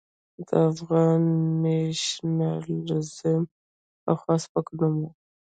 د افغان نېشنلېزم پخوا سپک نوم و.